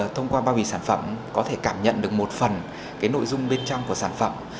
thông qua bao bì sản phẩm có thể cảm nhận được một phần nội dung bên trong của sản phẩm